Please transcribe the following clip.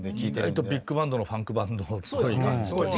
意外とビッグバンドのファンクバンドっぽい感じというか。